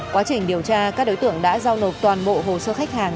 quá trình điều tra các đối tượng đã giao nộp toàn bộ hồ sơ khách hàng